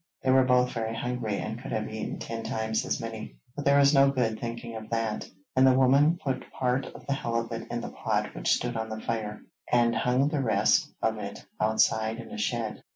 They were both very hungry and could have eaten ten times as many, but there was no good thinking of that, and the woman put part of the halibut in the pot which stood on the fire, and hung the rest of it outside in a shed.